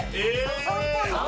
３ポイント。